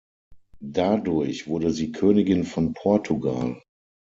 Dadurch wurde sie Königin von Portugal.